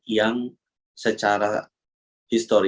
yang secara ekonomi